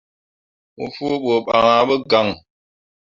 Mo fu ɓu ban ah ɓa gaŋ.